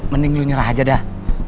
mending nyerah aja dah